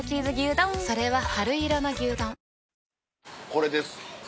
これです